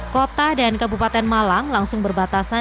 kota dan kabupaten malang langsung berbatasan